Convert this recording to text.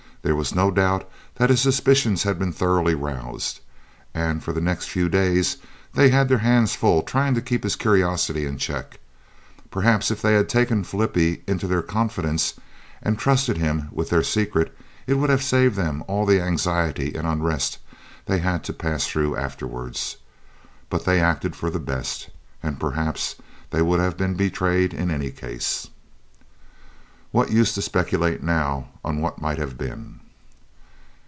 There was no doubt that his suspicions had been thoroughly roused, and for the next few days they had their hands full, trying to keep his curiosity in check. Perhaps if they had taken Flippie into their confidence and trusted him with their secret, it would have saved them all the anxiety and unrest they had to pass through afterwards, but they acted for the best, and perhaps they would have been betrayed in any case. What use to speculate now on what might have been?